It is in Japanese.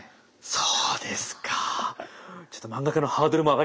そうですね。